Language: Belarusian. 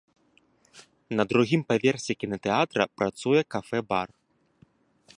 На другім паверсе кінатэатра працуе кафэ-бар.